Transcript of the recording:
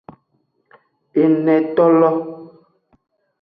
Enetolo.